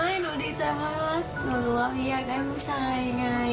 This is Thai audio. หนูดีใจมากหนูว่าพี่อยากได้ผู้ชายไง